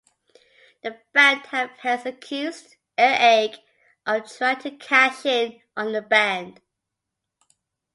The band have hence accused Earache of trying to cash in on the band.